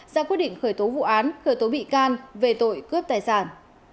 ra quyết định khởi tố vụ án khởi tố bị can về tội cướp tài sản